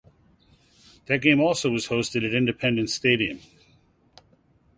That game also was hosted at Independence Stadium.